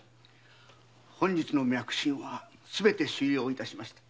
本日の脈診はすべて終了致しました。